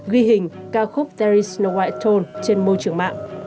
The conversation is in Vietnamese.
ghi hình ca khúc there is no white tone trên môi trường mạng